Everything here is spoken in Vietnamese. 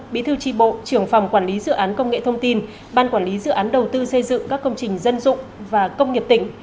bí thư tri bộ trưởng phòng quản lý dự án công nghệ thông tin ban quản lý dự án đầu tư xây dựng các công trình dân dụng và công nghiệp tỉnh